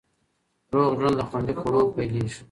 روغ ژوند له خوندي خوړو پیلېږي.